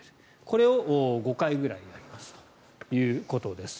これを５回ぐらいやりますということです。